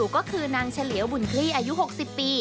โหเม็ดบัวอบ